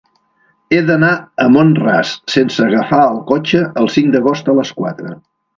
He d'anar a Mont-ras sense agafar el cotxe el cinc d'agost a les quatre.